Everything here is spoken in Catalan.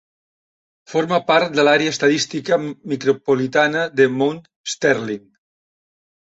Forma part de l'àrea estadística micropolitana de Mount Sterling.